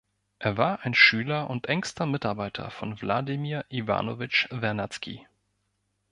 Er war ein Schüler und engster Mitarbeiter von Wladimir Iwanowitsch Wernadski.